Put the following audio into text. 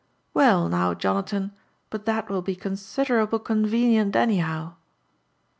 '* Well, now, Jonathan, but that will be considerable convenient anyhow."